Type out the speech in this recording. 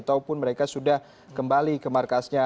ataupun mereka sudah kembali ke markasnya